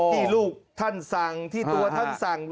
ที่ลูกท่านสั่งที่ตัวท่านสั่ง